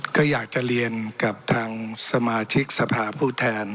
ก็อยากจะเรียนกับทางสมาชิกสภาผู้แทน